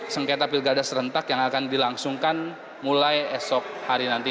sengketa pilkada serentak yang akan dilangsungkan mulai esok hari nanti